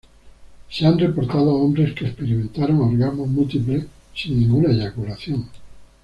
Se han reportado hombres que experimentaron orgasmos múltiples, sin ninguna eyaculación.